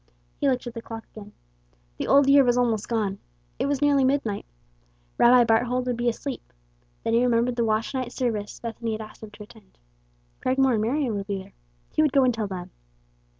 He looked at the clock again. The old year was almost gone. It was nearly midnight. Rabbi Barthold would be asleep. Then he remembered the watch night service Bethany had asked him to attend. Cragmore and Marion would be there. He would go and tell them.